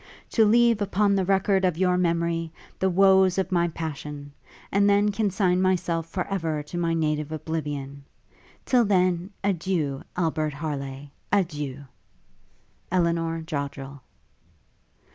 to leave upon the record of your memory the woes of my passion; and then consign myself for ever to my native oblivion. Till then, adieu, Albert Harleigh, adieu! 'ELINOR JODDREL.'